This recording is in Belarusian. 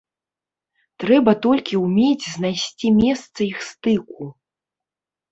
Трэба толькі ўмець знайсці месца іх стыку